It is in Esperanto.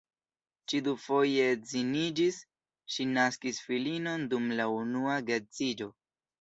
Ŝi dufoje edziniĝis, ŝi naskis filinon dum la unua geedziĝo.